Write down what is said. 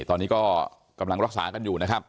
ตอนนี้ก็กำลังรักษากันอยู่นะครับ